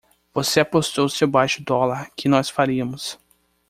Você apostou seu baixo dólar que nós faríamos!